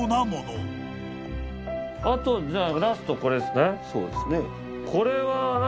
あとじゃあ。